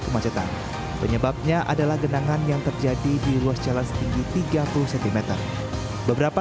kemacetan penyebabnya adalah genangan yang terjadi di ruas jalan setinggi tiga puluh cm beberapa